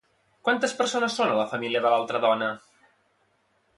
Quantes persones són a la família de l'altre dona?